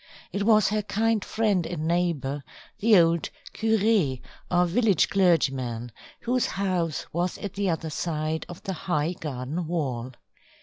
It was her kind friend and neighbour, the old curé or village clergyman, whose house was at the other side of the high garden wall.